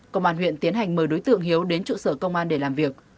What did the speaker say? công an huyện tiến hành mời đối tượng hiếu đến trụ sở công an để làm việc